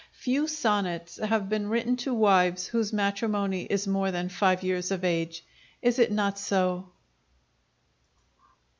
Few sonnets have been written to wives whose matrimony is more than five years of age is it not so?